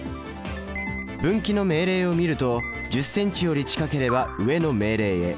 分岐の命令を見ると１０ｃｍより近ければ上の命令へ。